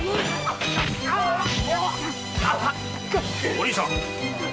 お凛さん！